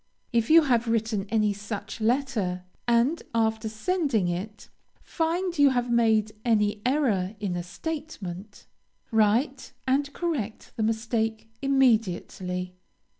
If you have written any such letter, and, after sending it, find you have made any error in a statement, write, and correct the mistake immediately.